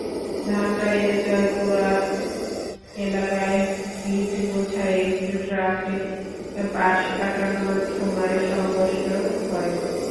ধামরাইয়ের জয়পুরা এলাকায় ইটবোঝাই একটি ট্রাককে পাশ কাটানোর সময় সংঘর্ষ হয়।